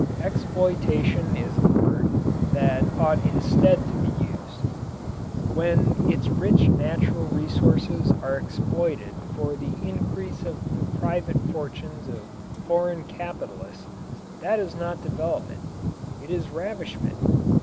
Exploitation is the word that ought instead to be used. When its rich natural resources are exploited for the increase of the private fortunes of foreign capitalists, that is not development, it is ravishment.